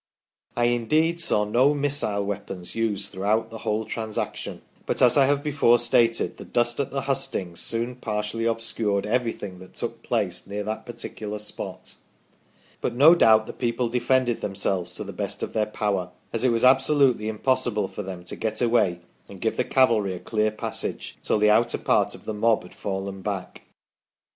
/ indeed saw no missile weapons used throughout the whole transac tion ; but, as I have before stated, the dust at the hustings soon partially obscured everything that took place near that particular spot, but no doubt the people defended themselves to the best of their power, as it was absolutely impossible for them to get away and give the cavalry a clear passage till the outer part of the mob had fallen back."